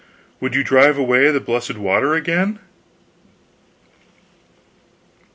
Would you drive away the blessed water again?"